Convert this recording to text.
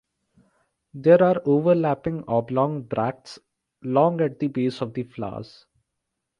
There are overlapping oblong bracts long at the base of the flowers.